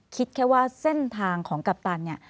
คิดแค่ว่าเส้นทางของกัปตันเนี่ย